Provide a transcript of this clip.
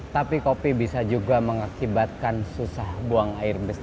tapi kopi bisa juga mengakibatkan susah buang air besar